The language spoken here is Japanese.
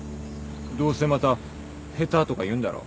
どうせまた下手とか言うんだろ？